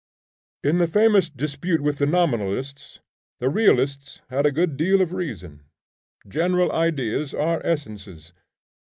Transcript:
In the famous dispute with the Nominalists, the Realists had a good deal of reason. General ideas are essences.